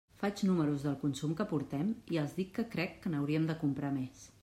Faig números del consum que portem i els dic que crec que n'hauríem de comprar més.